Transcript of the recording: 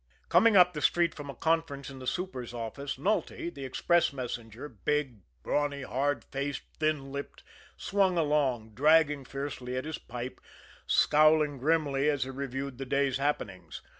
Coming up the street from a conference in the super's office, Nulty, the express messenger, big, brawny, hard faced, thin lipped, swung along, dragging fiercely at his pipe, scowling grimly as he reviewed the day's happenings.